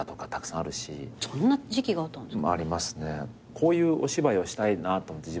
こういうお芝居をしたいなと思って自分。